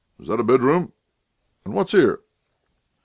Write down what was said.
Is that a bedroom? And what's here?"